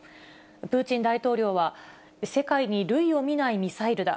プーチン大統領は、世界に類を見ないミサイルだ。